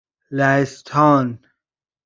لهستان